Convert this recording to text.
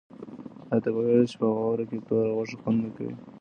آیا ته پوهېږې چې په واوره کې توره غوښه خوند نه کوي؟